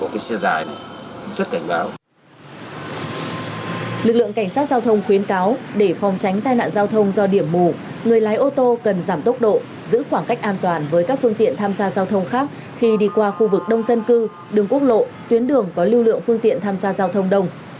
lực lượng cảnh sát giao thông khuyến cáo để phòng tránh tai nạn giao thông do điểm mù người lái ô tô cần giảm tốc độ giữ khoảng cách an toàn với các phương tiện tham gia giao thông khác khi đi qua khu vực đông dân cư đường quốc lộ tuyến đường có lưu lượng phương tiện tham gia giao thông đông